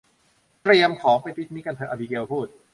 เตรียมของไปปิกนิกกันเถอะ อบิเกลพูด